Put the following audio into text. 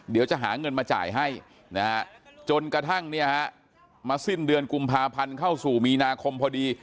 เดี๋ยวจะหาเงินมาจ่ายให้จนกระทั่งมาสิ้นเดือนกุมภาพันธ์เข้าสู่มีนาคมพอดี